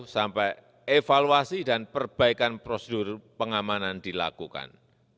sampai evaluasi dan perbaikan prosedur pengamanan dilakukan